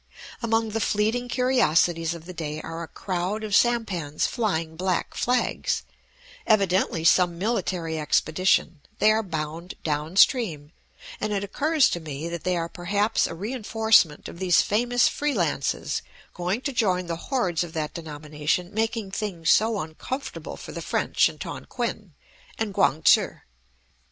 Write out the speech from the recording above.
Among the fleeting curiosities of the day are a crowd of sampans flying black flags, evidently some military expedition; they are bound down stream, and it occurs to me that they are perhaps a reinforcement of these famous free lances going to join the hordes of that denomination making things so uncomfortable for the French in Tonquin and Quang tse.